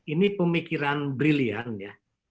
ini pemikiran brilian ya